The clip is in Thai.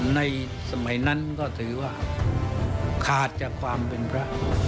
ในสมัยนั้นก็ถือว่าขาดจากความเป็นพระ